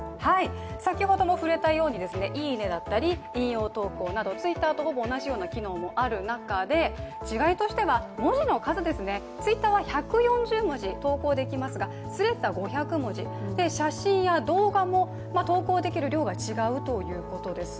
先ほども触れたようにいいねだったり引用投稿などＴｗｉｔｔｅｒとほぼ同じような機能もある中で違いとしては文字の数ですね、Ｔｗｉｔｔｅｒは１４０文字投稿できますがＴｈｒｅａｄｓは５００文字、写真や動画も投稿できる量が違うということです。